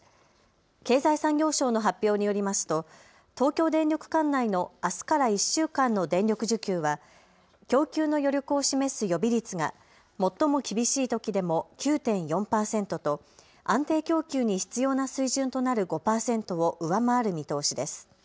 経済産業省の発表によりますと東京電力管内のあすから１週間の電力需給は供給の余力を示す予備率が最も厳しいときでも９．４％と安定供給に必要な水準となる５％を上回る見通しです。